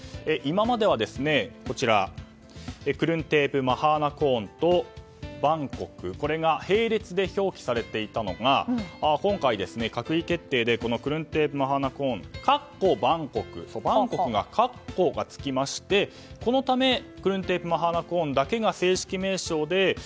今まではクルンテープ・マハーナコーンとバンコクが並列で表記されていたのが今回、閣議決定でクルンテープ・マハナコーンバンコクにかっこがつきまして、このためクルンテープ・マハナコーンだけが正式名称で